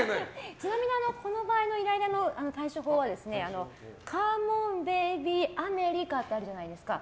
ちなみにこの場合のイライラの対処法はカモンベイベーアメリカ！ってあるじゃないですか。